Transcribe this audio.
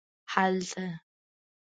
هلته